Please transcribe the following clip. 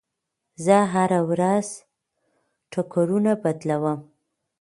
زه هره ورځ ټوکرونه بدلوم.